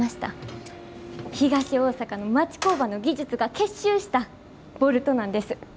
東大阪の町工場の技術が結集したボルトなんです。